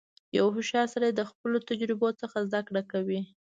• یو هوښیار سړی د خپلو تجربو څخه زدهکړه کوي.